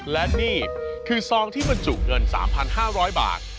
และนี่คือซองที่บรรจุเงิน๓๕๐๐บาท